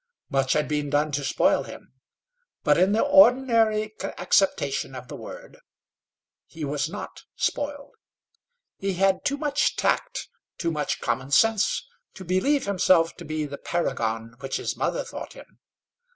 Much had been done to spoil him, but in the ordinary acceptation of the word he was not spoiled. He had too much tact, too much common sense, to believe himself to be the paragon which his mother thought him.